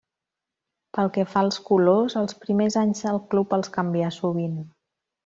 Pel que fa als colors, els primers anys el club els canvià sovint.